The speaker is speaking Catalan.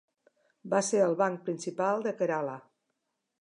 Va ser el banc principal de Kerala.